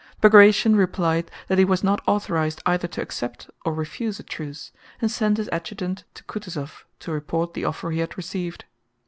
Bagratión replied that he was not authorized either to accept or refuse a truce and sent his adjutant to Kutúzov to report the offer he had received.